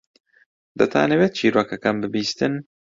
دەتانەوێت چیرۆکەکەم ببیستن؟